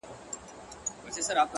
هر څوک هڅه کوي تېر هېر کړي خو نه کيږي